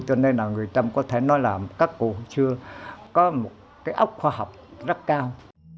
cho nên là người tâm có thể nói là các cụ chưa có một cái ốc khoa học rất cao